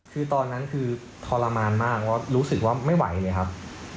คือตอนนั้นคือทรมานมากเพราะรู้สึกว่าไม่ไหวเลยครับ